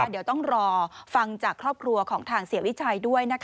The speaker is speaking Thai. เดี๋ยวต้องรอฟังจากครอบครัวของทางเสียวิชัยด้วย